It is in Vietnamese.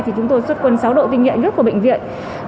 thì chúng tôi xuất quân sáu đội tinh nhận nhất của bệnh viện